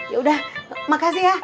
yaudah makasih ya